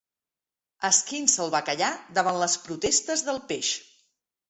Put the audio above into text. Esquinça el bacallà davant les protestes del peix.